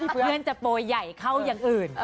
เพื่อนจะโปรยใหญ่เข้าอย่างอื่น